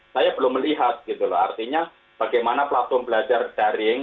saya belum melihat artinya bagaimana platform belajar daring